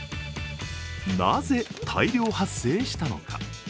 なぜ、大量発生したのか？